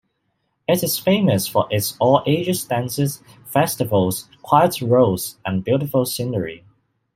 It is famous for its all ages dances, festivals, quiet roads, and beautiful scenery.